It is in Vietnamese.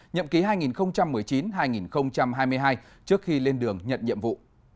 nhậm ký hai nghìn một mươi chín hai nghìn hai mươi hai trước khi lên đường nhận nhiệm vụ